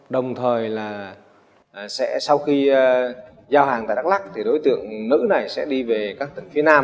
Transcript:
đồng thời là sau khi giao hàng tại đắk lắc thì đối tượng nữ này sẽ đi về các tỉnh phía nam